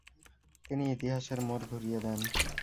তিনি ইতিহাসের মোড় ঘুরিয়ে দেন।